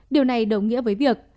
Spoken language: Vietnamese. điều này đồng nghĩa với việc